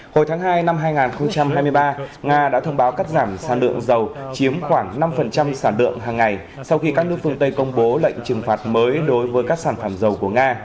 hồi tháng hai năm hai nghìn hai mươi ba nga đã thông báo cắt giảm sản lượng dầu chiếm khoảng năm sản lượng hàng ngày sau khi các nước phương tây công bố lệnh trừng phạt mới đối với các sản phẩm dầu của nga